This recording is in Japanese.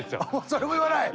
それも言わない？